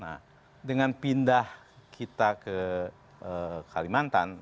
nah dengan pindah kita ke kalimantan